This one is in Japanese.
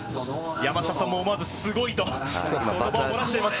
山下さんも思わず、すごいと漏らしています。